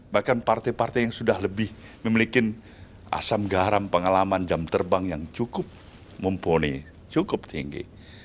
bahkan partai partai yang sudah lebih memiliki asam garam pengalaman jam terbang yang cukup mumpuni cukup tinggi